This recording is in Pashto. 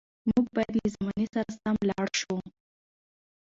موږ باید له زمانې سره سم لاړ شو.